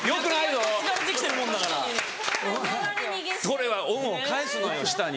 それは恩を返すのよ下に。